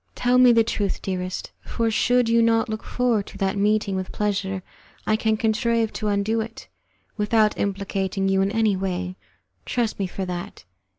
Tell me the truth, dearest, for, should you not look forward to that meeting with pleasure, I can contrive to undo it without implicating you in any way; trust me for that.